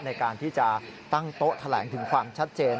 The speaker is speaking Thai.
ในการที่จะตั้งโต๊ะแถลงถึงความชัดเจน